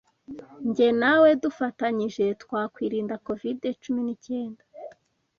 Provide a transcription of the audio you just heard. Njye nawe dufatanyije twakwirinda covid cumi n'icyenda